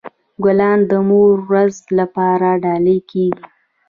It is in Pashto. ګلان د مور ورځ لپاره ډالۍ کیږي.